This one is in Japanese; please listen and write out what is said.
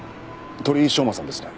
鳥居翔真さんですね？